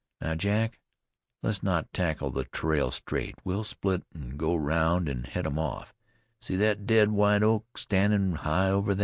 Now, Jack, let's not tackle the trail straight. We'll split, an' go round to head 'em off. See thet dead white oak standin' high over thar?"